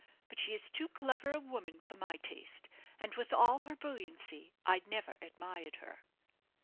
But she is too clever a woman for my taste; and with all her brilliancy, I never admired her."